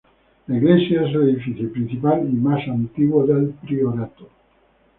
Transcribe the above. La iglesia es el edificio principal y más antiguo del priorato.